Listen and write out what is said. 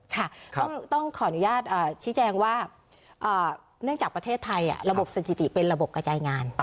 ค่ะต้องขออนุญาตชี้แจงว่าเนื่องจากประเทศไทยระบบสถิติเป็นระบบกระจายงาน